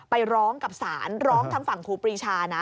ไปร้องกับศาลร้องทางฝั่งครูปรีชานะ